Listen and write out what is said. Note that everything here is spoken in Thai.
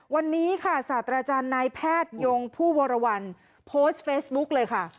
วันนี้ค่ะศาสตราจารย์นายแพทยงผู้วรวรรณโพสต์เฟซบุ๊กเลยค่ะ